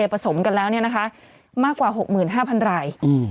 ประสมกันแล้วเนี่ยนะคะมากกว่าหกหมื่นห้าพันรายอืม